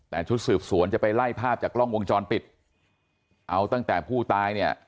แต่ชุดสืบสวนจะไปไล่ภาพจากกล้องวงจรปิดเอาตั้งแต่ผู้ตายเนี่ย